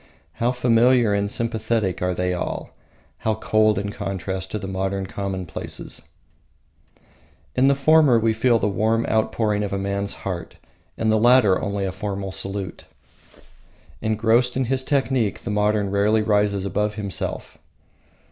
How familiar and sympathetic are they all; how cold in contrast the modern commonplaces! In the former we feel the warm outpouring of a man's heart; in the latter only a formal salute. Engrossed in his technique, the modern rarely rises above himself.